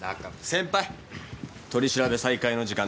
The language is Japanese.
先輩取り調べ再開の時間です。